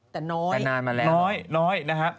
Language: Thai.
แต่น้อยแต่นานมาแล้วน้อยน้อยนะฮะ